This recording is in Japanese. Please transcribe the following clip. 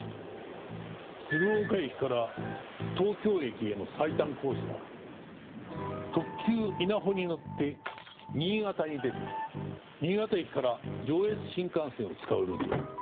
鶴岡駅から東京駅への最短コースは特急いなほに乗って新潟に出て新潟駅から上越新幹線を使うルートだ。